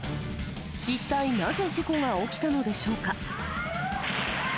一体なぜ事故は起きたのでしょうか。